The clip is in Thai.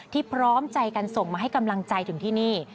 พร้อมใจกันส่งมาให้กำลังใจถึงที่นี่